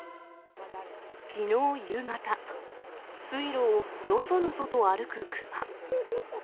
きのう夕方、水路をのそのそと歩く熊。